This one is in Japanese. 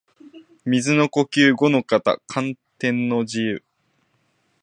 水の呼吸伍ノ型干天の慈雨（ごのかたかんてんのじう）